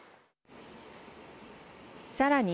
さらに。